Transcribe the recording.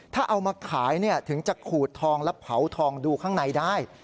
ถ้าเอามาขายถึงจะขูดทองและเผาทองดูข้างในได้